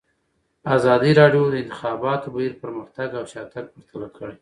ازادي راډیو د د انتخاباتو بهیر پرمختګ او شاتګ پرتله کړی.